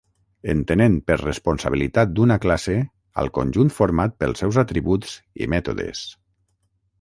Entenent per responsabilitat d'una classe al conjunt format pels seus atributs i mètodes.